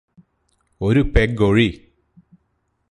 ഒരു പെഗ്ഗൊഴി.